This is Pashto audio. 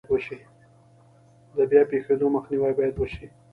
د بیا پیښیدو مخنیوی باید وشي.